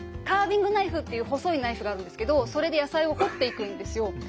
カービングナイフっていう細いナイフがあるんですけどそれで野菜を彫っていくんですよ。